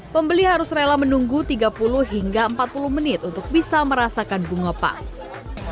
pembeli harus rela menunggu tiga puluh hingga empat puluh menit untuk bisa merasakan bunga pun